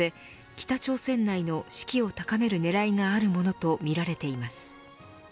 北朝鮮内の士気を高める狙いがあるものとみられています。